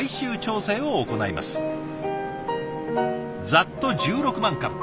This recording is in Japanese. ざっと１６万株。